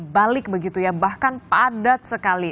balik begitu ya bahkan padat sekali